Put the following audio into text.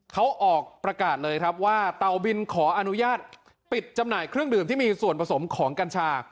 เขาออกประกาศเลยครับว่าเต่าบินขออนุญาตปิดจำหน่ายเครื่องดื่มที่มีส่วนผสมของกัญชา